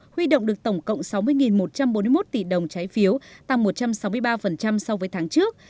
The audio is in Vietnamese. huy động được tổng cộng sáu mươi một trăm bốn mươi một tỷ đồng trái phiếu tăng một trăm sáu mươi ba so với tháng trước